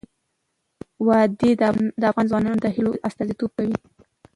وادي د افغان ځوانانو د هیلو استازیتوب کوي.